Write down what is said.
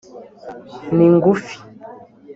Ni ngufi